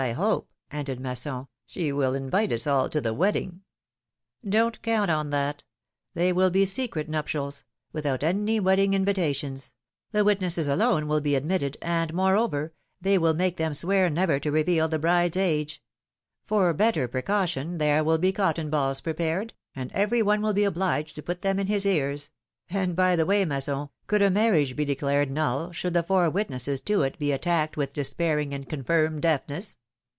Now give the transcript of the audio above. hope/^ ended Masson, ^^she will invite us all to the wedding ! Don't count on that! they will be secret nuptials — without any wedding invitations — the witnesses alone will be admitted, and, moreover, they will make them swear never to reveal the bride's age ; for better precaution there Mdll he cotton balls prepared, and every one will be obliged to put them in his ears — and by the way, Masson, could a marriage be declared null, should the four witnesses to it be attacked with despairing and confirmed deafness?"